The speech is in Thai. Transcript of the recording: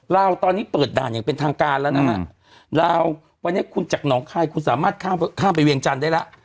ลาวตอนนี้เปิดด่านอย่างเป็นทางการแล้วนะฮะลาววันนี้คุณจากหนองคายคุณสามารถข้ามไปเวียงจันทร์ได้แล้ว